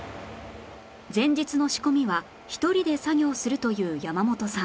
前日の仕込みは１人で作業するという山本さん